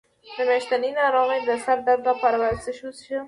د میاشتنۍ ناروغۍ د سر درد لپاره باید څه شی وڅښم؟